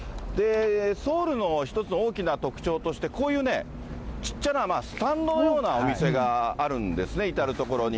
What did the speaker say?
ソウルの一つの大きな特徴として、こういうね、小っちゃなスタンドのようなお店があるんですね、至る所に。